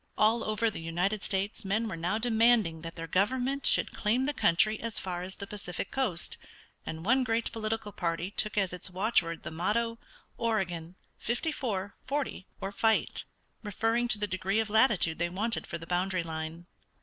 All over the United States men were now demanding that their government should claim the country as far as the Pacific coast, and one great political party took as its watchword the motto, "Oregon, fifty four, forty, or fight," referring to the degree of latitude they wanted for the boundary line.